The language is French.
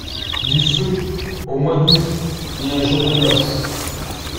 Du feu… au mois d’août… et un jour de noces !